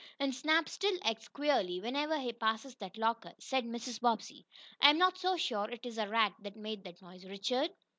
"And Snap still acts queerly, whenever he passes that locker," said Mrs. Bobbsey. "I'm not so sure it is a rat that made that noise, Richard."